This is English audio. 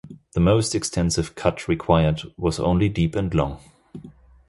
The most extensive cut required was only deep and long.